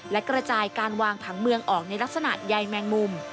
และกระจายการวางผังเมืองออกในลักษณะใยแมงมุม